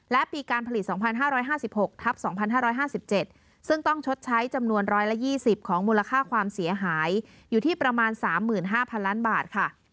และปีการผลิต๒๕๕๖ทับ๒๕๕๗ซึ่งต้องชดใช้จำนวน๑๒๐ของมูลค่าความเสียหายอยู่ที่ประมาณ๓๕๐๐๐ล้านบาทค่ะ